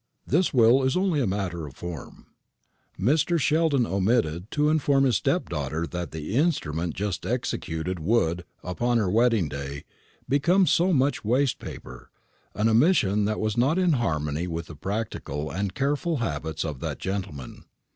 "This will is only a matter of form." Mr. Sheldon omitted to inform his stepdaughter that the instrument just executed would, upon her wedding day, become so much waste paper, an omission that was not in harmony with the practical and careful habits of that gentleman.